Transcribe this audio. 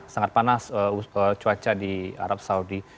sangat panas cuaca di arab saudi